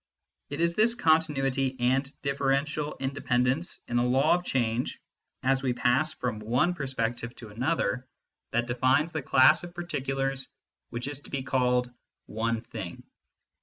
( It is this continuity and differential in dependence in the law ef change as we pass from one i 4 2 MYSTICISM AND LOGIC perspective to another that defines the class oi particulars which is to be called " one thing."